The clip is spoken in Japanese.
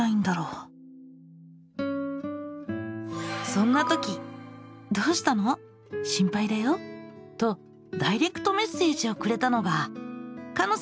そんなとき「どうしたの？心配だよ」とダイレクトメッセージをくれたのがかの。